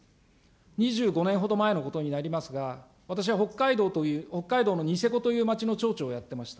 ２５年ほど前のことになりますが、私は北海道のニセコという町の町長やってました。